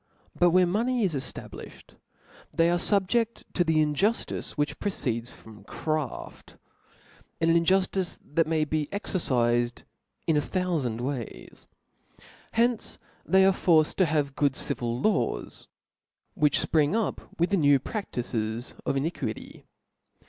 But where money is eftablifhed, they arc fubjcft to that injuftice which proceeds from craft i an injuftice that may beexercifed a thouftnd ways. Hence they are forced to have good civil Jaws, which fpring up with the new praftices of iniquity.